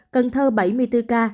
cần thơ bảy một mươi bốn ca